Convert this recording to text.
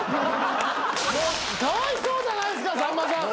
かわいそうじゃないっすかさんまさん。